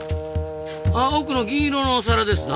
あ奥の銀色のお皿ですな。